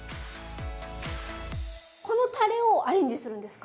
このたれをアレンジするんですか？